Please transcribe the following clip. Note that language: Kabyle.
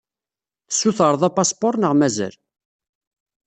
Tessutreḍ apaspuṛ neɣ mazal?